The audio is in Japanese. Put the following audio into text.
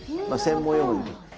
まあ専門用語で。